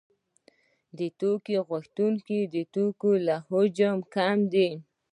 د توکو غوښتونکي د توکو له حجم کم دي